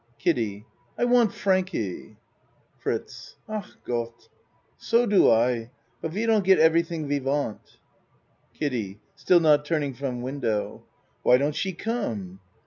KIDDIE I want Frankie. FRITZ Ach Gott, so do I but we don't get everything we want. KIDDIE (Still not turning from window.) Why don't she come?